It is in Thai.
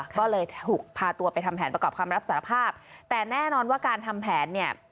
ก็เลยถูกพาตัวไปทำแผนประกอบคำรับสารภาพแต่แน่นอนว่าการทำแผนเนี่ย